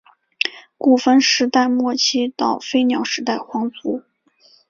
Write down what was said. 古坟时代末期到飞鸟时代皇族。